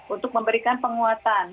untuk memberikan penguatan